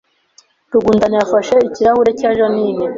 Rugundana yafashe ikirahure cya Jeaninne